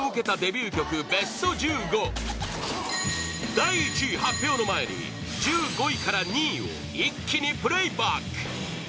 第１位発表の前に１５位から２位を一気にプレーバック！